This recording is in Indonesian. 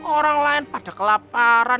orang lain pada kelaparan